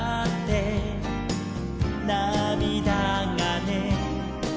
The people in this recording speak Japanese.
「なみだがね」